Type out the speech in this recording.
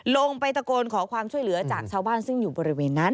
ลงไปตะโกนขอความช่วยเหลือจากชาวบ้านซึ่งอยู่บริเวณนั้น